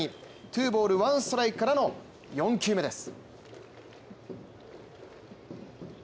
ツーボールワンストライクからの４球目です。